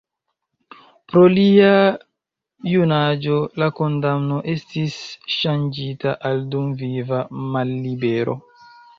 Pro lia junaĝo la kondamno estis ŝanĝita al dumviva mallibero.